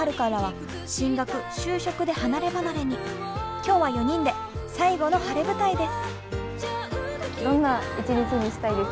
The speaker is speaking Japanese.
今日は４人で最後の晴れ舞台です。